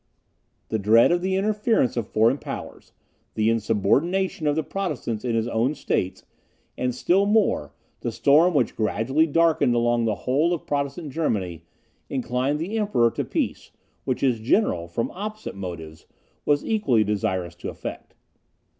The dread of the interference of foreign powers, the insubordination of the Protestants in his own states, and still more the storm which was gradually darkening along the whole of Protestant Germany, inclined the Emperor to peace, which his general, from opposite motives, was equally desirous to effect.